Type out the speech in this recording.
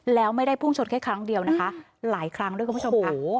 แล้วไม่ได้พุ่งชนแค่ครั้งเดียวนะคะหลายครั้งด้วยคุณผู้ชมค่ะ